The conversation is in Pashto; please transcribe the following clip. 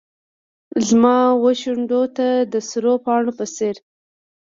زما وشونډو ته د سرو پاڼو په څیر